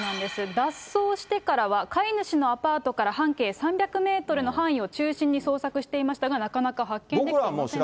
脱走してからは、飼い主のアパートから半径３００メートルの範囲を中心に捜索していましたが、なかなか発見できていませんでした。